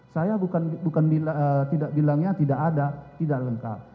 saya bukan bilangnya tidak ada tidak lengkap